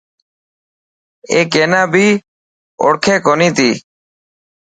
اي ڪينا بي اوڙ کي ڪو نتي.